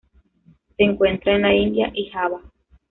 Se encuentra en la India y Java.